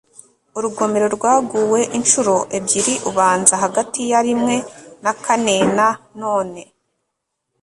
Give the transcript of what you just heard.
urugomero rwaguwe inshuro ebyiri-ubanza hagati ya rimwe na kanena none